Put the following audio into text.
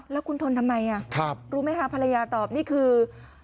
แล้วคุณทนทำไมรู้ไหมคะภรรยาตอบนี่คือ